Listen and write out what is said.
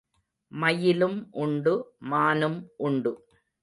மயிலும் உண்டு, மானும் உண்டு.